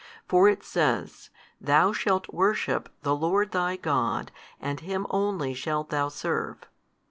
for it says, Thou shalt worship the Lord thy God and Him only shalt thou serve.